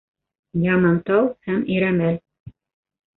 Ямантау һәм Ирәмәл.